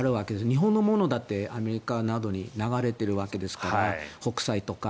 日本のものだってアメリカなどに流れているわけですから北斎とか。